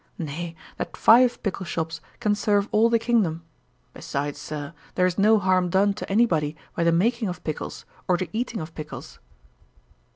nay, that five pickle shops can serve all the kingdom? Besides, Sir, there is no harm done to any body by the making of pickles, or the eating of pickles.'